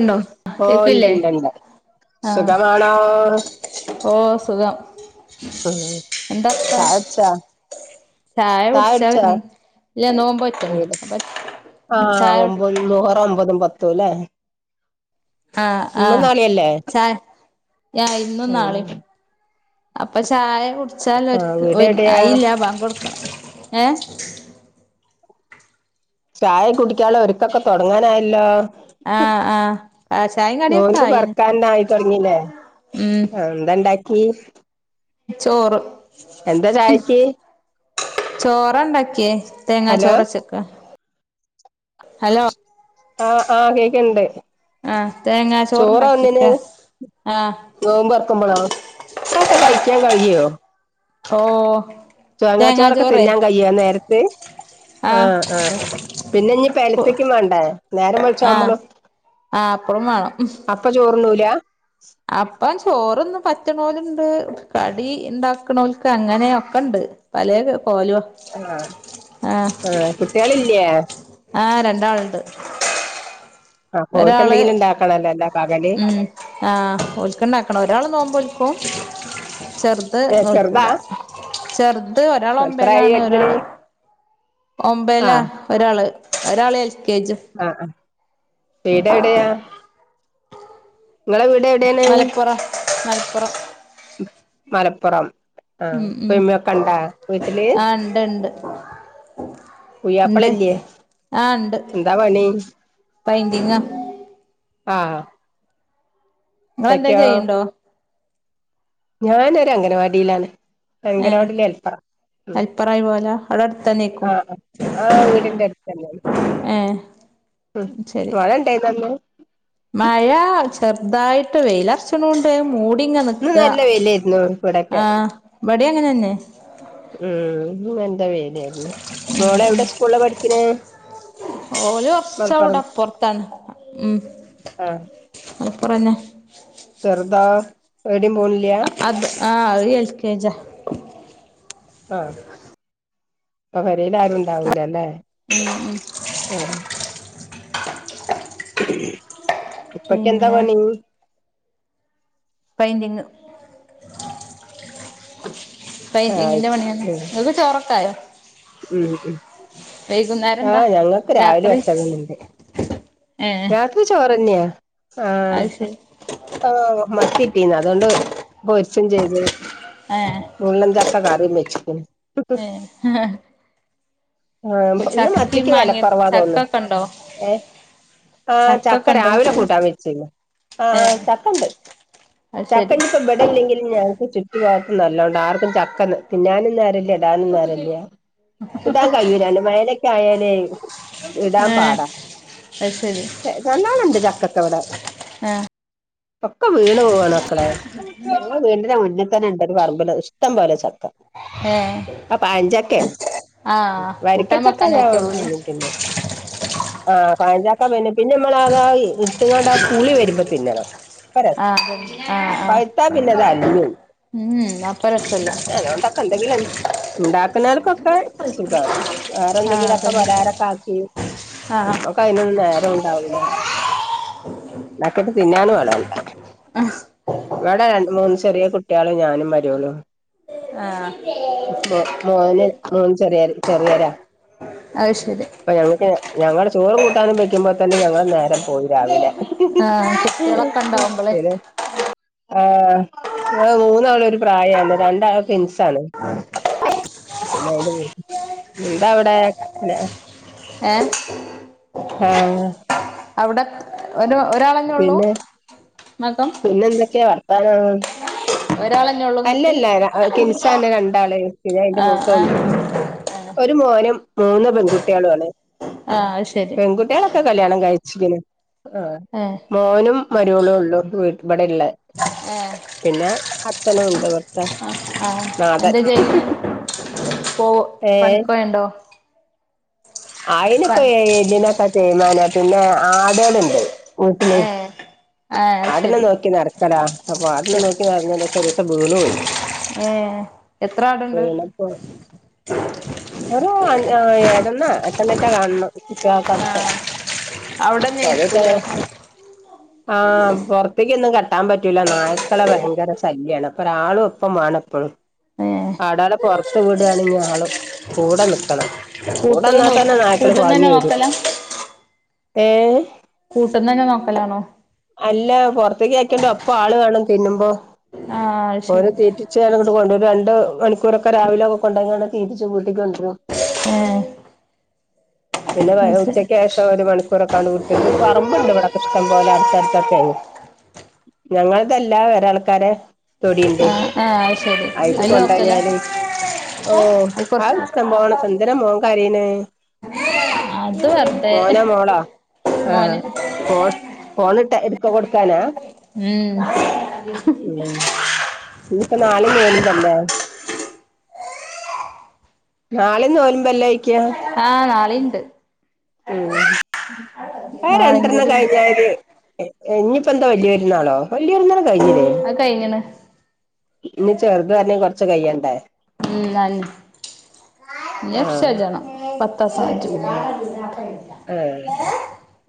ഉണ്ടോ ഓ കേക്കില്ലേ ഉണ്ട്ണ്ട് ഉണ്ട് ആഹ് സുഖമാണോ ഓ സുഖം ഉ എന്താ വർത്താ ചായ്ട്ച്ച ചായ കുടിച്ചാ ഒരുങ്ങി ഇല്ല നോമ്പോറ്റ്ണ് അപ്പൊ ആ ചായ ഒമ്പത നൂറ ഒമ്പതും പത്തും അല്ലേ ആ ആ ഇന്നും നാളെയല്ലേ ചാ ഇന്നും നാളെയ അപ്പ ചായ കുടിച്ചാലൽ ആഹ് ഒ വീട് എവിടെയാ അയില്ലാഭം കൊടുക്കണം ഏ ചായ കുടിക്കളെ ഒരുക്കൊക്കെ തുടങ്ങാനായല്ലോ ആഹ് ആഹ് ആഹ് ചായിം കടിയൊക്കെ നോന്ന് ആയിണ് പറക്കൻ ആയി തുടങ്ങല്ലേ ഉം എന്താണ്ടാക്കി ചോറ് ചായക്ക് ചോറ ഉണ്ടാക്കിയ തേങ്ങാ ഹലോ ചോറ വച്ചക്ക ഹലോ ആ ആ കേക്കണ്ട് ആഹ് തേങ്ങാ ചോറ ചോറ്ണ്ടാക്കിക്കാ ന്നിന്യേയെ ആഹ് നോമ്പറക്കുമ്പള്ളോ? ഒക്കെ കഴിക്കാൻ കഴിയോ? ഓ ചോങ്ങാ തേങ്ങാ ചോറൊക്കെ ചോറേ തിന്നാൻ കയ്യോ ആ നേരത്ത്. അ. ആഹ് ആ. പിന്നെഞ്ഞ് പെൽച്ചക്കും. വേ ണ്ടേ നേരം വെൾച്ചാഉമ്പോ. ആ. അപ്പളും വേണം. അപ്പ് അപ്പംചോറൊന്നും പറ്റണോലുണ്ട്. കടി ഉണ്ടാക്കണോൽക് ങ്ങനെയൊക്ക ണ്ട്. പലെ പോലുവ ആഹ് ആ. ആഹ് കുട്ടികളില്ലേ ആ. രണ്ടാളുണ്ട്. അ. ഒരാള് പോയിട്ടെന്തെങ്കിലും ഇണ്ടാക്കണല്ലേയെല്ലാം. ഉം.. ആ.. ഓൾക്കുണ്ടാക്കണം. ഒരാളുനോമ്പു നോക്കും. ചെറുത് ചെറുതാ നോൽക്കൂല എത്രായി ചെറുതൊരാളൊൻബേലാണ്, വലുതിന് ഒരാള് ഒൻബേലാ ഒരാള് ഒരാള് എൽ. കെ ജി അ... അ വീടെവിടെയാ, നിങ്ങളുടെ വീട്.. എവിടെയാണ് മലപ്പുറം [inaudible] മലപ്പുറം, ആ.. ഉം ഉം ഉപ്പയുമ്മയൊക്കെയുണ്ടോ വീട്ടില്, ഉണ്ട്, പുയ്യാപ്പളല്ലേ ആ ഉണ്ട്. എന്താ പണി വൈഡിംങ്ങാ. അ. ഹാ നിങ്ങളെന്തേലും ചെയ്യണുണ്ടോ? ഞാനൊ രംഗനവാടിയിലാണ്. ഏ അംഗനവാടിയിൽ ഹെൽപ്പറ ഉം. ഹെൽപ്പറായി പോവലാ അവിടെ അടുത്തന്നേക്കും അ. ആ വീടിന്റെയടുത്തന്നെയാണ്. ഏ ഉം... ശരി മഴയുണ്ടായിരുന്നോ. യിന്ന് മഴ ചെറുതായിട്ട്, വെയിലർച്ചണുണ്ട് മൂടി ടി ഇന്ന് നിക്ക നല്ല വെയിലായിരുന്നു ഇവിടൊക്കെ ആ. ഇവടി അങ്ങനെതന്നെ. ഉം.. നല്ല വെയിലായിരുന്നു. മോളെവിടെ സ്കൂളിലാ പഠിക്കണേ? ഓല് മലപ്പുറം കൊർച്ഔടപ്പർത്താണ്. ഉം. ആഹ് ഹെൽപ്പറന്നെ ചെറുതാ എടിം പോണില്ലാ. അത് ആ. ഏൽ. കെ. ജ ആ. പെരേല്ലാരുംണ്ടാവൂലല്ലേ ഉം. ഉ ഇപ്പക്കെന്താ പിന്നെ പണി പെയിന്റിങ് ആഹ് പെയിന്റിംഗിന്റെ പണിതന്നെ ഉം ഇങ്ങക്ക് ചോറൊക്കായോ? ഉം. വൈകുന്നേരം ആ. എന്താ ഞങ്ങൾക്കു രാത്രി രാവിലെവച്ചതുണ്ട്. ഏ രാത്രിയിൽ ചോറന്യാ ആ.. അത് ശരി ആ.. മത്തിട്ടീന് അതുണ്ടുപൊരിച്ചും ചെയ്ത് ഏ മുള്ളൻചക്ക കറിയും വെച്ചിട്ണ്ട്. ഏ ആ. ഇപ്പൊ ചക്കിം ഇന്നുമത്തിക്ക്, മാങ്ങിയ വിലക്കുറവാ തോന്നുന്നു. ചക്കൊക്കെ ഉണ്ടോ ഏ. ആ. ചക്കൊക്കെ ഉണ്ടോ ചക്കരാവിലെ വീട്ടില് കൂട്ടാൻ വെച്ചിന്ന് ആ. ഏ ചക്കണ്ട് അത് ശരി ചക്കയിപ്പബടല്ലെങ്കിലും. ഞങ്ങക്കു ചുറ്റും. ഈഭാഗത്ത് നല്ലോണ്ട് ആർക്കും ചക്കതിന്നാനുംനേരല്ല. ഇടാനും നേരല്ല. ഇടാൻ കഴിയൂലാന്ന് മേലൊക്കെ ആയാലേ ഇടാൻ ഏ പാടാ അത് ശരി നല്ലോണണ്ട് ചക്കയൊക്കെയിവിടെ ആ ഒക്ക വീണുപോകാണു മക്കളേ. ഞങ്ങളുടെ വീണ്ടിനുമുന്നിൽ തന്നെയുണ്ടൊരു പറമ്പില് ഇഷ്ടംപോലെ ചക്ക. ഏ അതു പഴംചക്കയാ ആ കൂട്ടാൻ വെക്കാനേ വരിക്കച്ചക്കയായിന്നു പറ്റുള്ളൂല്ലേ മുറിക്കുന്നേ ആ.. പഴംചക്ക പിന്നെ, പിന്നെ നമ്മളതാ ഇട്ടിങ്ങണ്ടാപുളിവരുമ്പോ തിന്നണം. പ്പ രസാ അ.. പഴുത്താ ആ.. പിന്നെ അത് അലിഞ്ഞോവും ആ ഉം അപ്പറക്കല്ല [unintelligible] ഉണ്ടാക്കുന്നാർക്കൊക്കെ സുഖാണ് വേറെ ആ എന്തെങ്കിലൊക്കെ അതന്നെ പലഹാരൊക്കെ ആക്കി. ആ നമ്മക്ക് അതിനൊന്നും നേരം ഉണ്ടാവൂല ഉണ്ടാക്കിട്ട് തിന്നാനും ആളു വേണ്ടേ. ആ ഇവിടെ രണ്ടു മൂന്ന് ചെറിയ കുട്ടിയാളും ഞാനും മരോളും. ആ മോന് മോന് ചെറിയ ചെറിയതാ. ആ ശെരി. ഞങ്ങൾ ചോറും കൂട്ടാനും വെക്കുമ്പോ തന്നെ ഞങ്ങളെ നേരം പോയി രാവിലെ. ആ കുട്ടികളൊക്കെ ഉണ്ടാവുമ്പളേ [unintelligible] [inaudible] ആ ഇങ്ങള് മൂന്നാളും ഒരു പ്രായല്ലേ രണ്ടാളും ട്വിൻസ് ആണ്. അ [inaudible] എന്താ അവിടെ ഏ ആ അവിടെ ഒരു ഒരാളന്നെ ഉള്ളൂ പിന്നെ മകം പിന്നെ എന്തൊക്കെയാ വർത്താനം. ഒരാളന്നെ ഉള്ളൂ ഇങ്ങക്ക് അല്ലല്ല ട്വിൻസ് ആണ് രണ്ടാള് പിന്നെ അതിന്റെ ആ ആ മൂത്തെന്നു. ഒരു മോനും മൂന്ന് പെൺകുട്ടികളു ആണ് ആ അത് ശരി പെൺകുട്ടികളൊക്കെ കല്യാണം കഴിച്ചിണ്. ആ ഏ മോനും മരോളും ഓളും ഇവിടെ ഇള്ളത്. ഏ അച്ഛനുണ്ട് ഇവിടുത്തെ ആ ആ നാഥൻ. എന്താ ചെയ്യുന്നെ പോ ഏഹ് പണിക്കോയണ്ടോ പ അയിനിപ്പോ എല്ലിനൊക്കെ തെയ്മാനാ പിന്നെ ആടുകൾ ഇണ്ട് വീട്ടിൽ. ഏ ആ ആടിനെ ശരി നോക്കി നടക്കല്ലാ അപ്പൊ ആടിനെ നോക്കി നടന്നു ഒരൂസം വീണ് പോയി. ഏ എത്ര ആടുണ്ട് വീണപ്പോ ഒരു [unintelligible] അഞ്ചെണ എട്ടണറ്റെ കാണണം. ഇക്കാ ആഹ് അവിടെന്നെ നിക്കൂലേ [unintelligible] ആ പുറത്തേക്കൊന്നും കെട്ടാൻ പറ്റൂല്ല നായ്ക്കളെ ഭയങ്കര ശല്യമാണ് അപ്പോ ഒരാളും ഒപ്പം മാണപ്പോഴും. ആ ആടാളെ പുറത്തു വിടാണെകിൽ ആള് കൂടെ നിക്കണം. കൂട്ട് കൂടെന്നാൽ നോ തന്നെ നായ്ക്കൾ പാഞ്ഞു കൂട്ട്ന്നന്നെ വരും നോക്കല ഏ. കൂട്ന്നെന്നെ നോക്കലാണോ. നല്ല പുറത്തേക് ആക്കണ്ട് ഒപ്പം ആൾ വേണം തിന്നുമ്പോ. ആ അത് ശരി തീറ്റിച്ചാല് [unintelligible] മണിക്കൂറൊക്കെ രാവിലെ ഒക്കെ കൊണ്ടോയിങ്ങാണ്ട് തീറ്റിച്ചു വീട്ടിക് കൊണ്ടോരും. ഏ. പിന്നെ ഉച്ചയ്ക്ക് ശേഷം ഒരു മണിക്കൂറൊക്കെ അങ്ങ് വിട്ടിട്ട് പറമ്പുണ്ട് ഇവിടൊക്ക ഇഷ്ടം പോലെ. ഇവിടെഅടുത്തക്കേണ് ഞങ്ങളതല്ല വേറെ ആൾക്കാരെ തൊടിഇണ്ട്. ആ ആ അത് ശരി ആയിക് അയില് നോക്കലാ കൊണ്ടോയാല് ഓ അത് ആ കൊറച്ച് ഇഷ്ടംപോലെ ഒകെ ഇണ്ട് എന്തിനാ മോൻ കരയുന്നെ. അത് വെറുതെ മോനോ മോളോ ആ മോന് കോ എടുക്ക കൊടുക്കാനാ. ഉം ഇനിപ്പോ നാളെ നോമ്പല്ലേ. നാളെയും നോമ്പല്ലേ. ആഹ് നാളെയുണ്ട്. ഉം ആ നാളീം രണ്ടെണ്ണം കൂടിണ്ട് കയിഞ്ഞാൽ ഇനി ഇപ്പോന്താ വലിയപെരുന്നാളോ വലിയപെരുന്നാള് കഴിഞ്ഞില്ലേ. അഹ് കയിഞ്ഞിണ്. ഇനി ചെറുത് വരണേ കൊറച്ച് കഴിയണ്ടേ ഇല്ല ആഹ് ഇക്ഷഷജാണ് പത്താസജു ഉം ആഹ്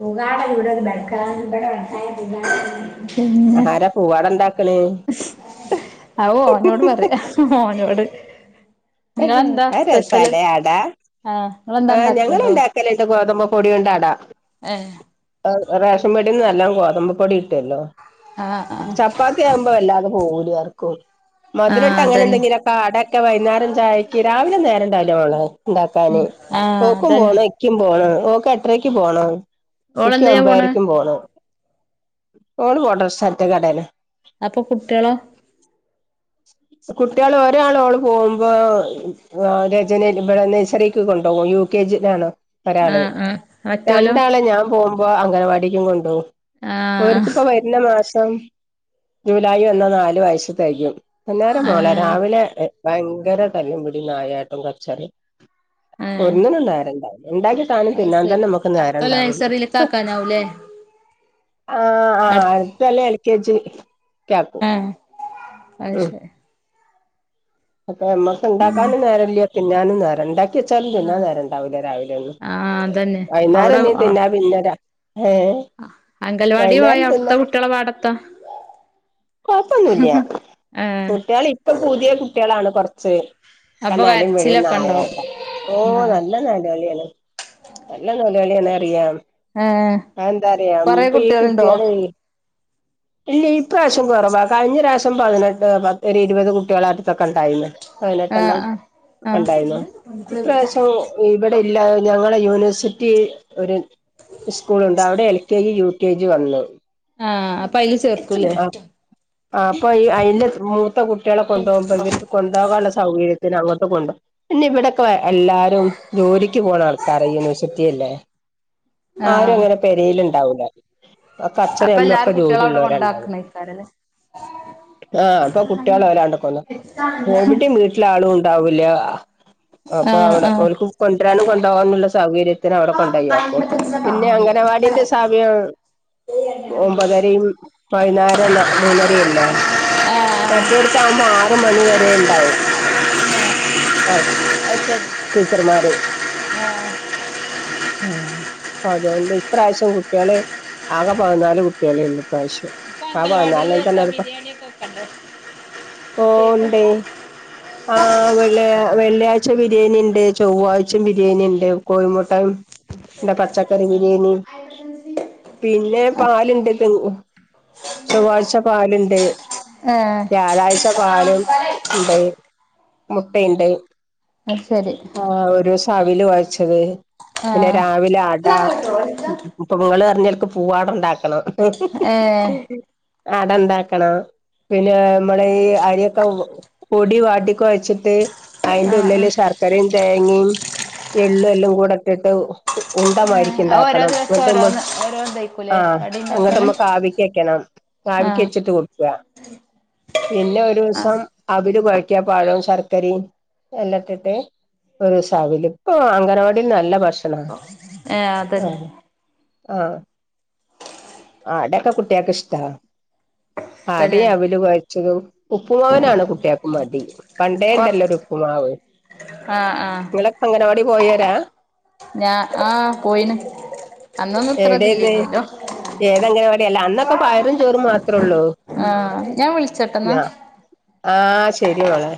പുകാട ഇവിടെത് ബെക്ക ഇവിടെണ്ടായുക അതാരാ പൂവാടണ്ടാക്കണ് ആവോ ഓനോട് പറയാ മോനോട് ആ രസാലെ അടാ ആഹ് നിങ്ങളെന്താ ആഹ് ഞങ്ങള് ഇണ്ടാക്ക്ണ്ടോ ഉണ്ടാക്കല് ഇണ്ട് ഗോതമ്പ പൊടിയുണ്ടട എഹ് റേഷൻ പീടിന്നെല്ലാം ഗോതമ്പൂപൊടി കിട്ടുലോ ആഹ് ആഹ് ചപ്പാത്തി ആവുമ്പോ വല്ലാതെ പോകൂല ആർക്കും ആഹ് മധുരട്ട് അങ്ങനെ അതന്നെ എന്തെങ്കിലൊക്കെ കാടെക്കെ വൈന്നേരം രാവിലെ നേരണ്ടവില്ല മോളെ ഉണ്ടാക്കാന് ഉം ആഹ് പോക്കുമ്പോ അതന്നെ നിക്കുമ്പോ പോ ഓക്ക് എട്ടരക്ക് പോണം നിക്ക് ഓളെന്തിനാ പോണെ ഒമ്പതരയ്ക്കും പോണം ഓള് കോോഡർ സറ്റ കടന അപ്പൊ കുട്ടികളോ കുട്ടികള് ഒരാളോള് പോവുമ്പോ ആ രചന ഇവിടെ നച്ചറക്ക് കൊണ്ടുപോകും യു കെ ജി ലാണ് ലോ ഒരാള്, ആഹ് ആഹ് മറ്റോലോ രണ്ടളെം ഞാൻ പോവുമ്പോ മ്പോ അംഗനവാടിക്കും കൊണ്ടോവും അവർക്ക് ആഹ് ഇപ്പോ വരുന്ന മാസ ഇം ജൂലൈ ഒന്ന് നാല് വയസ് തെകയും അന്നേരം മോളെ ഏഹ് രാവിലെ ഭയങ്കര തല്ലും ഇടിയും നായാട്ടും കച്ചറയും ഏഹ് ഒന്നിനും നേരം ഉണ്ടാവില്ല ഉണ്ടാക്കി കാണും അത് പിന്നതന്നെ നമുക്ക് നേരം ഉണ്ടാവൂല്ല ഹ് അല്ലേ ആഹ് ആഹ് ആ ആ അതല്ല എൽ കെ ജി ചാക്കു പശെ അപ്പ നമ്മക്ക് ഉണ്ടാക്കാനും നേര ഇല്ല തിന്നാനും നേരം ഉണ്ടാക്കി വെച്ചാലും തിന്നൻ നേരം ഉണ്ടാവില്ല രാവിലെ ഒന്നും ആഹ് അതന്നെ അവിടെ വൈന്നേരാനി തിന്ന പിന്നാര അംഗൽവാടി പോയ അവിടുത്തെ കുട്ടികള പാടത്താ കൊഴപ്പൊന്നുമില്ല ഏഹ് കുട്ടികൾ ഇപ്പൊ പുതിയ കുട്ടികളാണ് കൊറച്ച് അപ്പൊ കന്നാലും വെളിയ കരച്ചിലൊക്കെ ഉണ്ടാവും നായായിട്ടാ ഓ ആഹ് നല്ല നിലവിളിയാണ് നല്ല നിലവിളിയാന്നറിയാം ഏഹ് ആ എന്താറയാം കൊറെ ഈ കുട്ടികളുണ്ടോ കുട്ടികളിലെ ഇല്ല ഇപ്രാവശ്യം കുറവാ കഴിഞ്ഞ പ്രാവശ്യം പതിനെട്ട് പ ഇരുപത് കുട്ടികളടു തോക്കെണ്ടായി ആഹ് പതിനെട്ടെണ്ണം ആഹ് ആഹ് ഉണ്ടായിരുന്നു ഇപ്രാവശ്യം ഇവിടെ ഇല്ല ഞങ്ങളെ യൂണിവേഴ്സിറ്റി ഒരു ഉസ്കൂളുണ്ട് അവിടെ L K G U K G വന്നു ആഹ് അപ്പൊ അയില് ചേർക്കൂല്ലേ ആ് അപ്പൊ ഈ അയിന്റെ മൂത്ത കുട്ടികളെ കൊണ്ടോവുമ്പോ ഇവർക്ക് കൊണ്ടോവാനുള്ള സൗകര്യം പിന്നെ അങ്ങോട്ട് കൊണ്ട പിന്നെ ഇവിടൊക്കെ എല്ലാരും ജോലിക്ക് പോകണാണ് കറ യൂണിവേഴ്സിറ്റില്ലേ ആരും ആഹ് അങ്ങനെ പേരേൽ ഉണ്ടാവൂല അക്ക അച്ഛനും അപ്പൊ അമ്മയും ഒക്കെ എല്ലാരും കുട്ടികളെ അവിടെ ജോലിള്ളവരാണ്ടാവും കൊണ്ടാക്കണേക്കാരല്ലേ ആഹ അപ്പൊ കുട്ടികൾ വരാണ്ട്ക്കന്ന ആഹ് എവിടെ വീട്ടിലെ ആളുംണ്ട് ണ്ടാവൂല അപ്പൊ ആഹ് അവിടെ ആഹ് അവക്ക് കൊണ്ടുവരാനും കൊണ്ടകാനുള്ള സൗകര്യത്തി ത്തിന് അവിടെ കൊണ്ടയ്യപ്പോ അത് ശരി പിന്നെ ആഹ് അങ്കണവാടിൻ്റെ സമയം ഒമ്പതരയും പയിനായിരം ന്ന മൂന്നരിം അല്ലേ? മറ്റൊടുത്താവുമ്പോ ആർമണിവരെ ഉണ്ടാവും. ആ. ടീച്ചർമാര്. [inaudible] മ്. അതോണ്ട് ഇപ്രാവശ്യം കുട്ടികള്, ആകെ പതിനാല് കുട്ടികളെള്ളൂ. ഇപ്രാവശ്യം ഇപ്പൊ ആ അംഗൽവാടിൽ പതിനാലിൽ എത്താ ബിരിയാണി ഒക്കെ വെക്ക്ണ്ടോ? ഓ. ണ്ടേയ്. ആ, വെള്ളയാ, വെള്ളിയാഴ്ച ബിരി ബിരിയാണി ഉണ്ട്. ചൊവ്വാഴ്ച്ചിം ബിരിയാണിണ്ട്. കോഴിമുട്ടയും പിന്നെ [unintelligible] പച്ചക്കറി ബിരിയാണി. പിന്നെ പാലുണ്ട് [inaudible] ചൊവ്വാഴ്ച പാലിണ്ട്. ഏഹ് വ്യാഴാഴ്ച പാലും ഉണ്ട്. മുട്ടിണ്ട്. അത് ശരി. അവിൽ കുഴച്ചത്, പിന്നെ ആഹ് രാവിലെ അട, ഇപ്പൊ ഇങ്ങള് ങ്ങക്ക് പൂവാടണ്ടാക്കണം. ഏഹ് അടണ്ടാക്കണം. പിന്നെ നമ്മള് ഈ അരിയൊക്കെ പൊടി വാട്ടി കൊഴച്ചിട്ട് അയിൻ്റെ ആഹ് ഉള്ളില് ആഹ് ശർ ക്കരിം തേങ്ങയും എളളും എല്ലാം കൂടെ ഇട്ട്ട്ട് ഉണ് - ഏഹ് മാരിക്ക് അത് ഓരോ ഉണ്ടാക്കണം. ദിവസം എന്നിട്ട്മ്മ് ഓരോന്ന് ആ ഓരോതായിക്കൂലേ കടി എന്നിട്ട് ഇണ്ടാക്കല് നമ്മുക്ക് ആവിക്ക് വെക്കണം ആ. ആവിക്ക് ആഹ് വെച്ചിട്ട് കൊടുക്കുക. [inaudible] പിന്നെ ഒരു ആഹ് ദിവസം അവ്ൽ കൊഴ ക്ക, പഴം ശർക്കരയും എല്ലാം ഇട്ടട്ട് ഒരുസം അവലും, ഇപ്പൊ അംഗൻവാടിൽ നല്ല ഭക്ഷ അ, ഏ, അതന്നെ ആ. അടക്കെ കുട്ടിയേക്ക് ഇഷ്ടാ. തന്നെ അടയും അവല് കൊഴച്ചതും, ഉപ്പുമാവിനാണ് കുട്ടിയേക്ക് മടി. പണ്ടേ ഉണ്ടല്ലോ ഒരു ഉപ്പുമാവ്. ആവോ. ആ ആ. അംഗനവാടി പോയോരാ. ഞാ. ആ പോയിണ്. അന്നൊന്നും ഇത്ര എവിടെന്ന്. ഇതില്ലേനല്ലോ ഏത് അംഗനവാടില? അന്നൊക്കെ പയറും ചോറും മാത്രൊ ള്ളൂ. ആ. ഞാൻ വിളിച്ചട്ടോന്ന. ആഹ് ശരി മളെ.